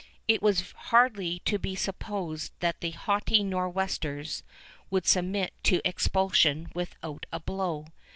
It was hardly to be supposed that the haughty Nor'westers would submit to expulsion without a blow.